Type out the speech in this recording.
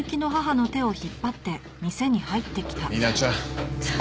美奈ちゃん。